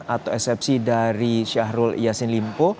atau eksepsi dari syahrul yassin limpo